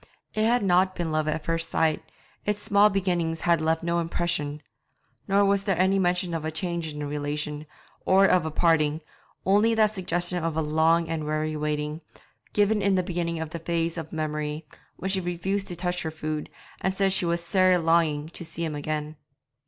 It had not been love at first sight, its small beginnings had left no impression; nor was there ever any mention of a change in the relation, or of a parting, only that suggestion of a long and weary waiting, given in the beginning of this phase of memory, when she refused to touch her food, and said she was 'sair longing' to see him again.